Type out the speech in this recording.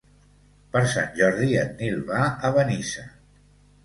Per Sant Jordi en Nil va a Benissa.